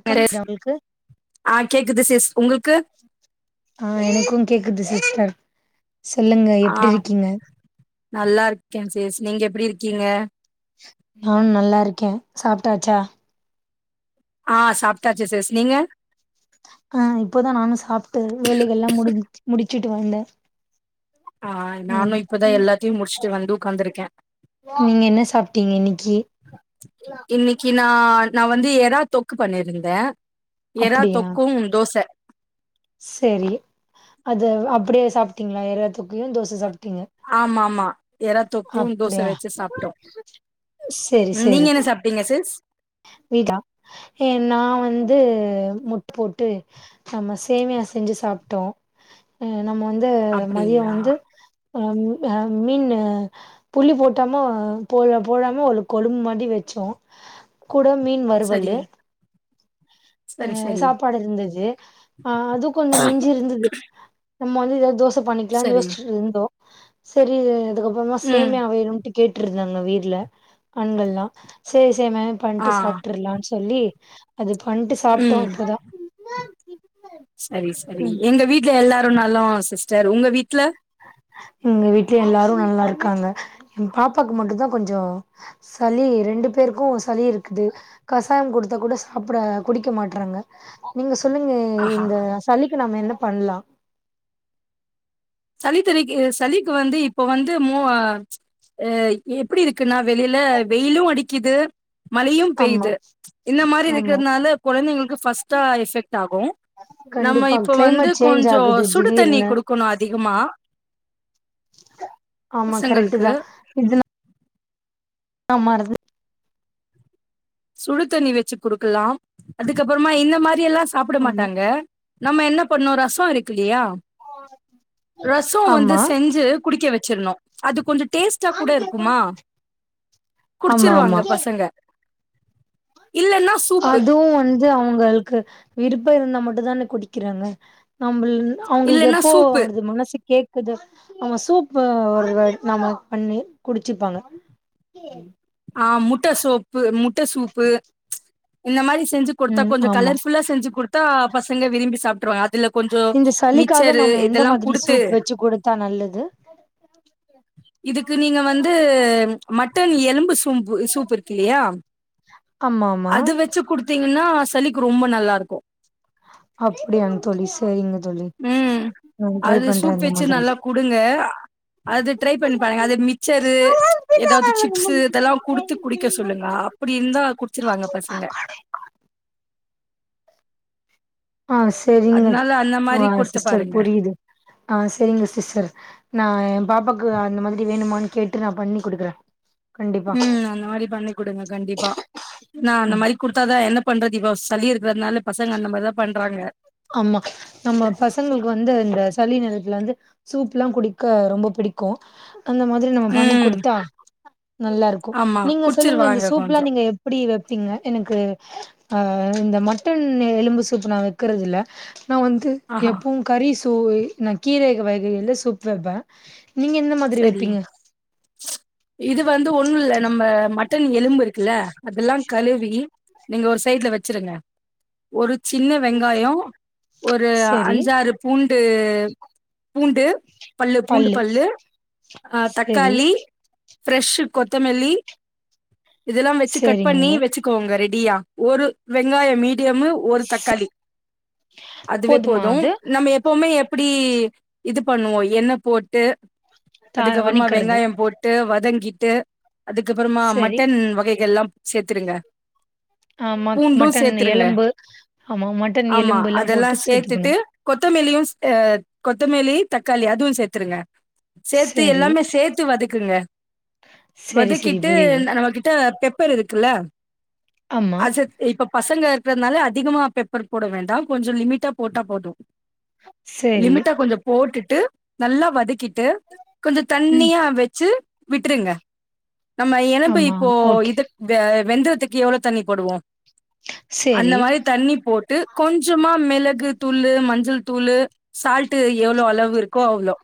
க்கம் உங்களுக்கு ஆ கேக்குது சிஸ் உங்குள்க்கு ஆ எனக்கு கேக்குது சிஸ்டர் சொல்லுங்க ஆ எப்டி ருக்கீங்க நல்லா இருக்கே சிஸ் நீங்க எப்டி இருக்கீங்க நானு நல்லாருக்கே சாப்டாச்சா ஆ சாப்டாச்சு சிஸ் நீங்க ஆ இப்போதா நானு சாப்ட்டு வேலைகல்லா முடிஞ்ச்சி முடிச்சுட்டு வந்த ஆ நானு இப்பதா எல்லாத்தியு முடிஷ்ட்டு வந்து உக்காந்துருக்கே நீங்க என்ன சாப்டீங்க இன்னிக்கி இன்னைக்கு நா நா வந்து எறா தொக்கு பண்ணிருந்தே எறா அப்டியா தொக்கு தோச செரி அது அப்படியே சாப்டீங்களா எறாதொக்குயு தோச ச சாப்டீங்க ஆமா ஆமா எறா தொக்கு தோச அப்டியா வச்சு சாப்ட்டோ செரி செரி நீங்க என்ன சாப்டீங்க சிஸ் ஃபீதா ஏ நா வந்து முட்ட போட்டு நம்ம சேமியா செஞ்சு சாப்டோ ம் நம்ம வந்து மதியோ அப்டிங்களா வந்து அ அ மீன்னு புள்ளி போட்டாம போல போடாம ஒரு கொழும்ப் மாத்ரி வெச்சோ கூட மீன் சரி வறுவல்லு ஆ சரி சரி சாப்பாடு இருந்துச்சி அ அது கொஞ்சோ மிஞ்சி இருந்துது நம்ம வந்து எதாது தோச பண்ணிக்லான் சரி யோசிச்சுட்டு இருந்தோ சரி அதுக்கப்றமா ம் சேமியா வேணுன்டு கேட்ருந்தாங்க வீட்ல ஆண்கள்லா சேரி சேமியாவே பண்ட்டு ஆ சாப்ட்ருல்லா சொல்லி அது பண்ணிட்டு சாப்ட்டோ ம் இப்போதா சரி சரி ம் எங்க வீட் ல எல்லாரு நலோ சிஸ்டர் ஒங்க வீட்ல எங்க வீட்லியு எல்லாரு நல்லாருக்காங்க என் பாப்பாக்கு மட்டுந்தா கொஞ்ச சளி ரெண்டு பேருக்கு சளி இருக்குது கசாயம் குடுத்தா கூட சாப்ட குடிக்க மாட்றாங்க நீங்க சொல்லுங்க அ ஆஹா இந்த சளிக்கு நம்ம என்ன பண்லா சளி தலிக்கு சளிக்கு வந்து இப்போ வந்து மோ அ எப்டி இருக்குன்னா வெளில வெயிலு அடிக்குது மழையு ஆமா பெய்து இந்த மாரி ஆமா இருக்குறதுனால கொழந்தைங்களுக்கு ஃபஸ்டா எஃபெக்ட் ஆகு நம்ம கண்டிப்பா இப்ப வந்து கிளைமேட் சேஞ்ச் கொஞ்சோ ஆகுது சுடு தண்ணி திடீர்னு குடுக்குணு அதிகமா ஆமா கரக்டு பசங்களுக்கு தா இத ஆமா [inaudible] சுடு தண்ணி வச்சு குடுக்குலாம் அதுக்கப்றமா இந்த மாரியெல்லா சாப்ட ஆமா மாட்டாங்க நம்ம என்ன பண்ணு ரசோ இருக்கு இல்லையா ரசோ வந்து ஆமா செஞ்சு குடிக்க வச்சிர்னு அது கொஞ்சோ டேஸ்ட் ச்சா கூட இருக்குமா ஆமா ஆமா குடிச்சிருவாங்க பசங்க இல்லன்னா சூப்பு அதுவு வந் து அவங்களுக்கு விருப்ப இருந்தா மட்டு தான குடிக்றாங்க நம்புல் அவங்களுக்கு இல்லன்னா எப்போ சூப்பு அடுது மனசு கேக் அது ஆமா சூப்பு ஒரு நாம பண்ணி குடிச்சுப்பாங்க ஆ முட்ட சூப்பு முட்ட சூப்பு இந்த மாரி செ செஞ்சு குடுத்தா ம் கொஞ்சோ ஆமா கலர்ஃபுல்லா செஞ்சு குடுத்தா பசங்க விரும்பி சாப்ட்ருவாங்க அதுல கொஞ்சோ இந்த சளிக்காக மிச்சரு நம்ம எந்த இதெல்லா மாதிரி குடுத்து சூப் வச்சு குடுத்தா நல்லது இதுக்கு நீங்க வந்து மட்டன் எலும்பு சூம் பு சூப்பு இருக்கு இல்லையா ஆமா ஆமா அது வச்சு குடுத்திங்னா சளிக்கு ரொம்ப நல்லாருக்கு அப்டியாங் தோழி ச ம் அது பண்றே சூப் இந்த வெச்சு மாதிரி நல்லா குடுங்க அது ட்ரை பண்ணி பாருங்க அது மிச்சரு எதாது சிப்ஸ்சு இதெல்லா குடுத்து குடிக்க சொல்லுங்க அப்டி இருந்தா குடிச்சுருவாங்க பசங்க ஆ செரிங்க அதனால அந்த மாரி ஆ குடுத்து சிஸ்டர் பாருங்க புரியுது ஆ செரிங்க சிஸ்டர் நா என் பாப்பாக்கு அந்த மாதிரி வேணுமான் கேட்டு நா பண்ணி குடுக்குறே கண்டிப்பா ம் அந்த மாரி பண்ணி குடுங்க கண்டிப்பா ஏனா அந்த ம் மாரி குடுத்தாதா என்ன பண்றது இப்ப சளி இருக்கறதுனால பசங்க அந்த மாரிதா பண்றாங்க ஆமா நம்ம பசங்களுக்கு வந்து இந்த சளி நேரத்துல வந்து சூப்லா குடிக்க ரொம்ப பிடிக்கு அந்த மாதிரி நம்ம பண்ணி ம் குடுத்தா நல்லாருக்கு ஆமா நீங்க சொல்லுங்க இந்த குடிச்சிருவாங்க சூப்லா கொஞ்சோ நீங்க எப் எப்புடி வப்பீங்க எனக்கு ஆ இந்த மட்டன் எலும்பு சூப்பு நா வெக் குறது இருக்குறது இல்ல நா வந்து ஆஹா எப்பவு கறி சூ நா கீரை வகையில சூப்பு வெப்ப நீங்க என்ன சரி இது வந்து ஒன்னு இல்ல நம்ம ம ட்டன் எலும்பு இருக்குல அதல்லா கழுவி நீங்க ஒரு சைட்ல வச்சிருங்க ஒரு சின்ன வெங்காயோ ஒரு சரி அஞ்சாறு பூண்டு பூண்டு பல்லு பூண்டு பல்லு ஆ சரி தக்காளி ஃப்ரெஷ் கொத்தமல்லி இதெல்லா வச்சு கட் பண்ணி சரிங்க வச்சுக்கோங்க ரெடியா ஒரு வெங்காய மீடியமு ஒரு ஸ் தக்காளி அதுவே போதுமா போது அது நம்ம எப்போமே எப் இப்டி இது பண்ணுவோ எண்ண போட்டு தா அதுக்கப்பறமா வணிக்கிறது வெங்காயம் போட் டு வதங்கிட்டு அதுக்கப்பறமா சரி மட்டன் வகைகள் எல்லா சேத்துருங்க ஆ மட் பூண்டு மட்டன் சேத்துருங்க எலும்பு ஆமா மட்டன் ஆமா எலும்புல்லா அதெல்லா போட்டு சேத்துக்கணு சேத்துட்டு கொத்தமெலியு சே கொத்தமெலி தக்காளி அதுவு சேத்துருங்க சேத்து சரி எல்லாமே சேத்து வதக்குங்க சரி சரி வதக்கிட்டு புரியுது இந்த நமக்கு கிட்ட பெப்பர் இருக்குல்ல ஆமா அ சேத் இப்ப பசங்க இருக்கறதுனால அதிகமா பெப்பர் போட வேண்டாம் கொஞ்சோ லிமிட்டா போட்டா போது சரி லிமிட்டா கொஞ்சோ போட்டுட்டு நல்லா வதக்கிட்டு கொஞ்சோ ம் தண்ணியா வச்சு விட்டுருங்க நம்ம எலும்பு ஆமா இப்போ ஓகே இது இந்த வெந்திரத்துக்கு எவ்ளோ தண்ணி போடுவோ அந்த சரி மாறி தண்ணி போட்டு கொஞ்சமா மெளகு தூளு மஞ்சள் தூளு சால்ட்டு எவ்ளோ அளவு இருக்கோ அவ்ளோ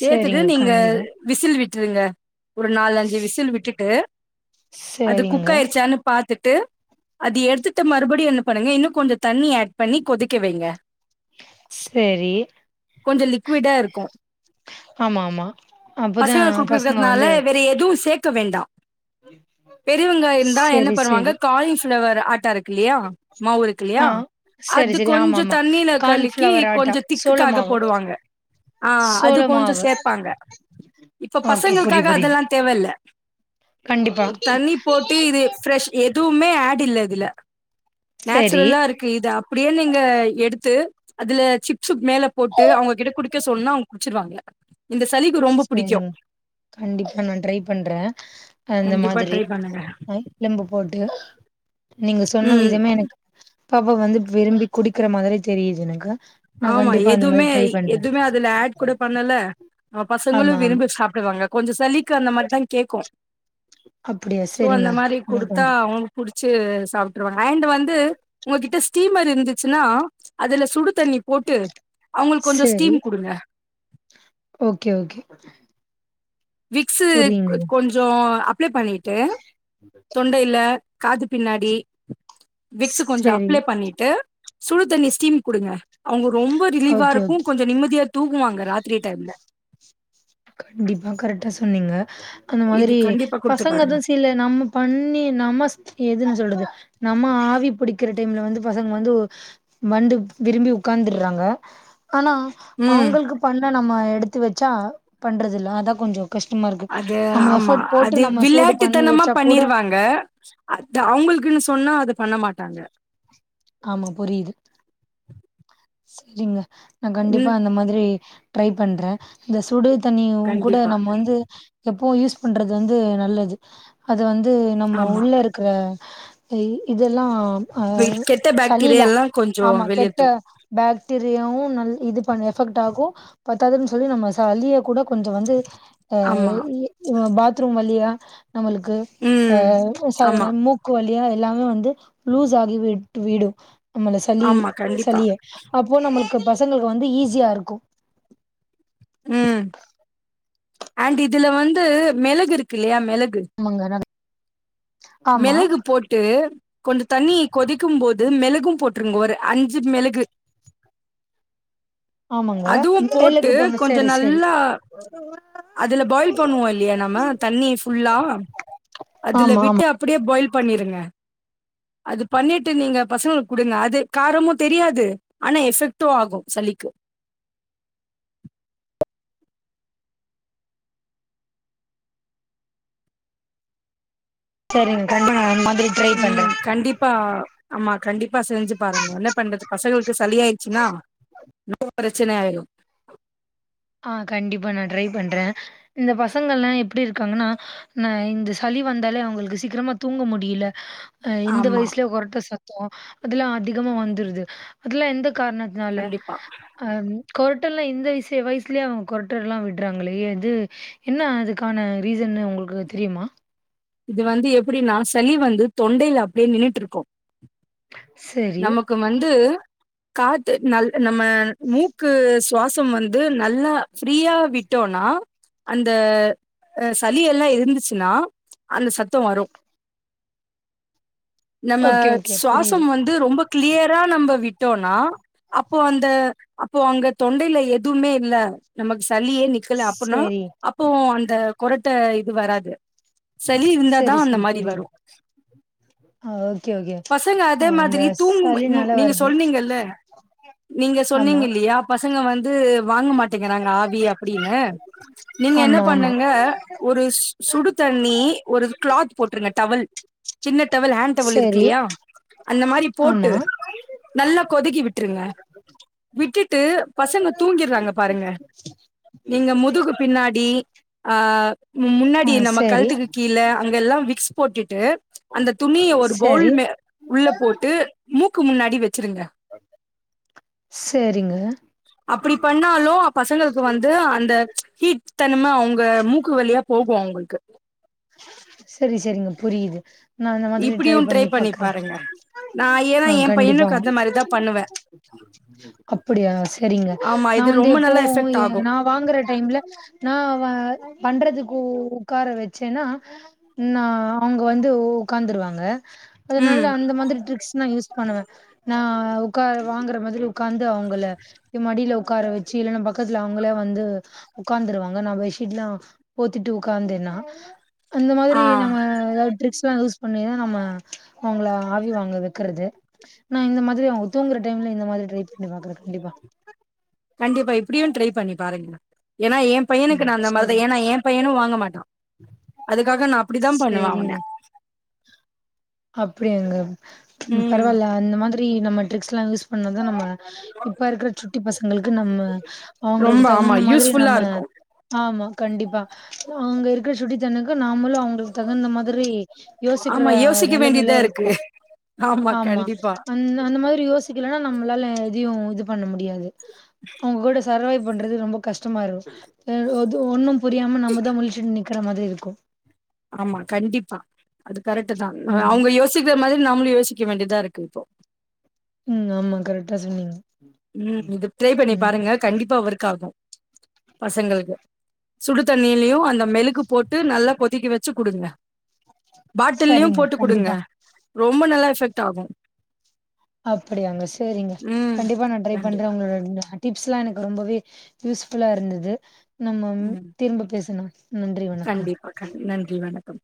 சேத்துட்டு சரிங்க நீங்க கண்டிப்பா விசில் விட்ருங்க ஒரு நாலஞ்சு விசில் விட்டுட்டு அது குக் சரிங்க ஆயிடுச்சானு பாத்துட்டு அது எடுத்துட்டு மறுபடியு என்ன பண்ணுங்க இன்னு கொஞ்சோ தண்ணி ஆட் பண்ணி கொதிக்க வைங்க சேரி கொஞ்சோ லிக்விடா இருக்கு ஆமா ஆமா அப்பதா பசங்க பசங்க வந்து குடுக்கக்கறறதுனால வேற எதுவு சேக்க வேண்டா பெரியவங்க இருந்தா என்ன சரி பண்ணுவாங்க சரி காலி ஃபிளவர் ஆட்டாருக் கில்லையா மாவு இருக்குல்லையா ஆ சரி அது சரி ஆமா கொஞ்சோ ஆமா தண்ணீல கலக்கி கான்ஃப்ளவர் ஆட்டா கொஞ்சோ சோள திக்குக்காக மாவு போடுவாங்க ஆஹ் அது சோள கொஞ்சோ மாவு சேப்பாங்க இப்ப ஓகே புரிது பசங்களுக்காக புரிது அதெல்லா தேவ இல்ல கண்டிப்பா தண்ணி போட் டி இது ஃப்ரெஷ் எதுவுமே ஆட் இல்ல இதுல சேரி நேச்சுரல்லா இருக்கு இது அப் அப்டியே நீங்க எடுத்து அதுல சிப்ஸு மேல போட்டு அவுங்ககிட்ட குடிக்க சொன்னா குடிச்சிருவாங்கள இந்த சளி கு செரிங்க கண்டிப்பா நா ட்ரை பண்றே அந்த கண்டிப்பா மாதிரி ட்ரை பண்ணுங்க அ எலும்பு போட்டு நீங்க சொன்ன ம் விதமே எனக்கு பாப்பா வந்துட்டு விரும்பி குடிக்கிற மாதிரி தெரியுது எனக்கு நா ஆமா கண்டிப்பா அந்த மாரி எதுவுமே ட்ரை பண்றே எதுவுமே அதுல ஆட் கூட பண்ணல அ பசங்களு ஆமா ஆமா விரும்பி சாப்டுவாங்க கொஞ்சோ சளிக்கு அந்த மாதிரி தா கேக்கு அப்டியா சோ அந்த சேரிங்க மாரி நா குடுத்தா பண்றே அவுங்க புடிச்சு சாப்டுருவாங்க அண்டு வந்து உங்ககிட்ட ஸ்டீமர் இருந்துச்சுனா அதுல சுடு தண்ணி போட்டு அவங்களுக்கு கொஞ்சோ செரி ஸ்டீம் குடுங்க ஓகே ஓகே விக்ஸ்சு கொ புரியுதுங்க கொஞ் ஜோ அப்ளே பண்ணிட்டு தொண்டேல காது பின்னாடி விக்ஸ்சு கொஞ்சோ சேரி அப்ளே பண்ணிட்டு சுடு தண்ணி ஸ்டீம் குடுங்க அவுங்க ரொம்ப ரிலீஃப்பா ஓகே இருக்கு ஓகே கொஞ்சோ நிம்மதியா தூங்குவாங்க ராத்திரி டைம்ல கண்டிப்பா கரெக்டா சொன்னீங்க அந்த இது மாதிரி கண்டிப்பா குடுத்து பாருங்க பசங்கதா சில நம்ம பண்ணி நமஸ் எதுனு சொல்றது நம்ம ஆவி பிடிக்கிற டைம்ல வந்து பசங்க வந்து ஓ வந்து விரும்பி உட்கார்ந்துடுறாங்க ஆனா ம் அவுங்களுக்கு பண்ண நம்ம எடுத்து வச்சா பண்றது இல அத கொஞ்சோ கஷ்டமா இருக்கு அது நம்ம ஆமா எஃபர்ட் அது போட்டு நம்ம சூடு பண்ணி விளையாட்டுத்தனமா வச்சா கூட பண்ணிருவாங்க அத்தா அவுங்களுக்குனு சொன்னா அத பண்ண மாட்டாங்க ஆமா புரியுது சரிங்க நா கண்டிப்பா ம் அந்த மாதிரி ட்ரை பண்ற இந்த சுடு தண்ணியு கூட கண்டிப்பா நம்ம வந்து எப்போவு யூஸ் பண்றது வந்து நல்லது அது வந்து நம்ம ஆமா உள்ள இருக்கிற இ இதெல்லா ஆ வெல் கெட்ட பாக்டீரியா சளிலா எல்லா கொஞ்சோ ஆமா கெட் வெளியேத்து பேக்டீரியாவு நல் இது பண்ண எஃபெக்ட் ஆகு பத்தாதுன் சொல்லி நம்ம சளிய கூட கொஞ்சோ வந்து ஆமா ஆய் பாத்ரூம் வழியா நம்மளுக்கு ஆ ம் ஆமா சாதண மூக் கு வழியா எல்லாமே வந்து லூஸாகி விட் விடு நம்மள சளி ஆமா கண்டிப்பா சளிய அப்போ நம்மளுக்கு பசங்களுக்கு வந்து ஈஸியா இருக்கு ம் ஆண்ட் இதுல வந்து மெளகு இருக்குல்லையா மெளகு ஆமாங்க ந மெளகு போட்டு கொஞ்ச தண்ணிய கொதிக்கும் போது மெளகும் போட்ருங்க ஒரு அஞ்சு மெளகு ஆமாங்க அதுவும் போட்டு எல்லுக்கு போடணு கொஞ்ச சரி சரி நல்லா [inaudible] அதுல பாயில் பண்ணுவோ இல்லையா நம்ம தண்ணி ஃபுல்லா அதுல ஆமா விட்டு ஆமா அபடியே பாயில் பண்ணிருங்க அது பண்ணிட்டு நீங்க பசங்களுக்கு குடுங்க அது காரமு தெரியாது ஆனா எஃபெக்ட்டு ஆகு சளிக்கு சரிங்க [inaudible] அது மாதிரி ட்ரை பண்றே ம் கண்டிப்பா ஆமா கண்டிப்பா செஞ்சு பாருங்க என்ன பண்றது பசங்களுக்கு சளி ஆயிச்சுனா ரொம்போ பிரச்சன ஆயிரு ஆ கண்டிப்பா நா ட்ரை பண்ற இந்த பசங்கல்லா எப்டி இருக்காங்கனா நா இந்த சளி வந்தாலே அவுங்களுக்கு சீக்கிரமா தூங்க முடில ஆ இந்த ஆமா வயசுலே கொரட்ட சத்தோ அதெல்லா அதிகமா வந்துருது அதெல்லா எந்த காரணத் னால கண்டிப்பா ஆ கொரட்டல்லா இந்த விஷ்ய வயஸ் லியே அவுங்க கொரட்டட்லா விட்றாங்ளே அது என்ன அதுக்கான ரீசன்னு உங்களுக்கு தெரியுமா இது வந்து எப்டினா சளி வந்து தொண்டைல அப்டியே நின்னுட்டுருக்கு சேரி கும் வந்து காத்து நல் நம்ம மூக்கு சுவாசம் வந்து நல்லா ஃப்ரீயா விட்டோன்னா அந்த ஆ சளி எல்லா இருந்துச்சினா அந்த சத்தோ வரு நம்ம ஓகே, ஓகே. புரியுது. சுவாசம் வந் து ரொம்ப கிளியரா நம்ப விட்டோனா அப்போ அந்த அப்போ அங்க தொண்டயில எதுவுமே இல்ல நமக்கு சளியே நிக்கல அப்போன்னோ சரி, அப்போவு அந்த கொரட்ட இது வராது சளி இருந்தாதா சரி, அந்த சரி. மாரி புரியுது. வரு ஆ ஓகே, ஓகே. பசங்க ஆ அதே அந்த மாதிரி தூங்கும்போ இன்னு சளினால நீங்க வருது. சொன்னீங்கல்ல நீங்க சொன்னீங்க ஆமா, இல்லியா பசங்க வந்து வாங்க மாட்டேங்கிறாங்க ஆவி அப்டினு நீங்க என்ன ஆமா, ஆமா. பண்ணுங்க ஒரு ஸ் சுடு தண்ணி ஒரு கிளாத் போட்ருங்க டவல் சின்ன டவல் ஹேண்ட் டவல் சரி, இருக்குல்லியா அந்த மாரி போட்டு ஆமா. நல்லா கொதிக்கி விட்டுருங்க விட்டுட்டு பசங்க தூங்கிறாங்க பாருங்க நீங்க முதுகு பின்னாடி ஆ மு ஆ முன்னாடி நமக் சரி. கழுத்துக்கு கீழ அங்கல்லா விக்ஸ் போட்டுட்டு அந்த துணிய ஒரு பௌல் சரி, மே உள்ள போட்டு மூக்கு முன்னாடி வச்சிருங்க சரிங்க. அப்டி பண்ணா லோ பசங்களுக்கு வந்து அந்த ஹீட் தன்ம அவுங்க மூக்கு வழியா போகு அவுங்குக்கு செரி செரிங்க புரியிது நா இந்த மாதிரி ட்ரை பண்ணி பாக்குற நா ஏன்னா ஆ என் கண்டிப்பா பையனுக்கு அந்த மாரிதா பண்ணுவே அப்புடியா சரிங்க ஆமா நா இது வந்து ரொம்ப நல்லா எப்பவு எஃபெக்ட் ஏ ஆகு நா வாங்குற டைம்ல வ நா பண்றதுக்கு உக்கார வச்ச ச்சேன்னா நா அவங்க வந்து ஓ ஒக்காந்துருவாங்க அதுனால ம் அந்த மாதிரி ட்ரிக்ஸ் நா யூஸ் பண்ணுவே நா உக்கா வாங்குற மாதிரி உக்காந்து அவங்கள இ மடில உக்கார வச்சு இல்லைன்னா பக்கத்துல அவங்களே வந்து உக்காந்துருவாங்க நா பெட்ஷீட்லா போத்திட்டு உக்காந்தேன்னா அந்த மாதிரி ஆ நம்ம எதா ட்ரிக்ஸ்லா யூஸ் பண்ணிதா நம்ம அவங்கள ஆவி வாங்க வைக்கறது நா இந்த மாதிரி அவுங்க தூங்ற டைம்ல இந்த மாதிரி ட்ரை பண்ணி பாக்குற கண்டிப்பா கண்டிப்பா இப்டியு ட்ரை பண்ணி பாருங்க ஏனா ஏன் பையனுக்கு நா ம் அந்த மாத சரி ஏனா ஏ பையனு வாங்க மாட்டா அதுக்காக நா அப்டிதா பண்ணுவே அவன சேரிங்க அப்டியாங்க ம் பரவால்ல அந்த மாதி ரி நம்ம ட்ரிக்ஸ்லா யூஸ் பண்ணா தா நம்ம இப்ப இருக்ற சுட்டி பசங்களுக்கு நம்ம ரொம்ப அவுங்களுக்கு ஆமா தகுந்த மாதிரி யூஸ்ஃபுல்லா நம்ம இருக்கு ஆமா கண்டிப்பா அவுங்க இருக்குற சுட்டி தண்ணுக்கு நாமளு அவுங்ளு தகுந்த மாதிரி யோசிக்கற ஆமா யோசிக்க நெலமல வேண்டியதா இருக்கு இருக்கோ ஆமா அந் அந்த மாரி யோசிக்கலனா நம்ளால எதயு இது பண்ண முடியாது அவுங்க கூட சரவே பண்றது ரொம்ப கஷ்டமாயிரு ஏது ஒன்னு புரியாம நம்மதா முழிச்சுட் நிக்கிற மாதிரி இருக்கு ஆமா கண்டிப்பா அது கரெட்டு தா ம் அவுங்க யோசிக்கிற மாதிரி நம்மளு யோசிக்க வேண்டிதா இருக்கு இப்போ ம் ஆமா கரெக்டா சொன்னீங்க ம் இது ட்ரை பண்ணி ம் பாருங்க கண்டிப்பா ஒர்க்காகு பசங்களுக்கு சுடு தண்ணியிலியு அந்த மெழுக் கு போட்டு நல்லா கொதிக்க வச்சு குடுங்க பாட்டில்லுயு சரிங்க போட்டு குடுங்க கண்டிப்பா ரொம்ப நல்லா எஃபெக்ட் ஆகு அப்படியாங்க சேரிங்க ம் கண்டிப்பா நா ட்ரை கண்டி பண்றே உங் க அ டிப்ஸ்லா எனக்கு ரொம்பவே யூஸ் ஃபுல்லா இருந்துது நம்ம ம் திரும்ப பேசுனா நன்றி வணக்கம் கண்டிப்பா கண் நன்றி வணக்கம்